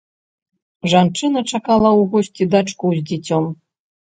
Жанчына чакала ў госці дачку з дзіцём.